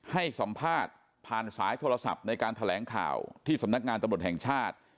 ให้สัมภาษณ์ผ่านสายโทรศัพท์ในการแถลงข่าวที่สำนักงานตำรวจแห่งชาติ